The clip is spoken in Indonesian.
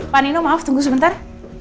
pak nino maaf tunggu sebentar